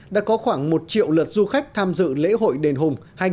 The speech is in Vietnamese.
đã có khoảng một triệu lượt du khách tham dự lễ hội đền hùng hai nghìn một mươi bảy